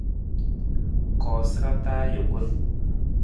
Koosara taa ajukun.